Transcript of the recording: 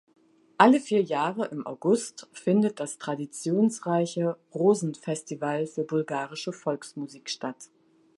Alle vier Jahre im August findet das traditionsreiche Rozhen-Festival für bulgarische Volksmusik statt.